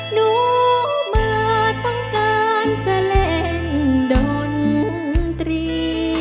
หนูมาต้องการจะเล่นดนตรี